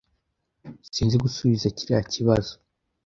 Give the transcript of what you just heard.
Sinzi gusubiza kiriya kibazo.